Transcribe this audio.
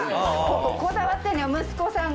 こここだわってんねん。